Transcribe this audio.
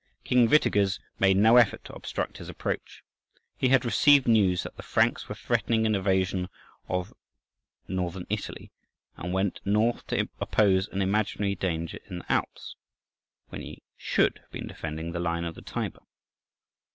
King Witiges made no effort to obstruct his approach. He had received news that the Franks were threatening an evasion of Northern Italy, and went north to oppose an imaginary danger in the Alps, when he should have been defending the line of the Tiber.